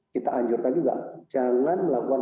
kita anjurkan juga jangan melakukan